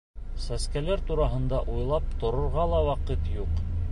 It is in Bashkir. Сәскәләр тураһында уйлап торорға ла ваҡыт юҡ...